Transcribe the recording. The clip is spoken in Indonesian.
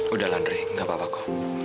udah landry gak apa apaku